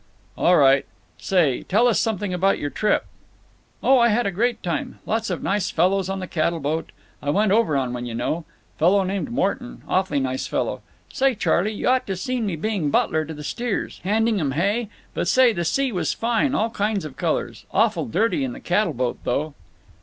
"All right. Say, tell us something about your trip." "Oh, I had a great time. Lots of nice fellows on the cattle boat. I went over on one, you know. Fellow named Morton—awfully nice fellow. Say, Charley, you ought to seen me being butler to the steers. Handing 'em hay. But say, the sea was fine; all kinds of colors. Awful dirty on the cattle boat, though."